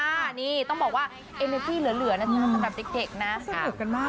อันนี้ต้องบอกว่าเน็ตที่เหลือนะครับสำหรับเด็กนะครับ